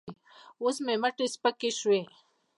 اوس مې مټې سپکې شوې.